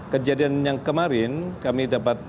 kejadian yang kemarin kami dapat